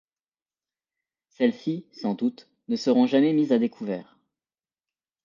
Celles-ci, sans doute, ne seront jamais mises à découvert.